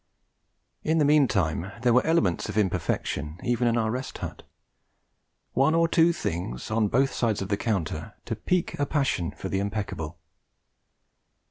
In the meantime there were elements of imperfection even in our Rest Hut: one or two things, and on both sides of the counter, to pique a passion for the impeccable.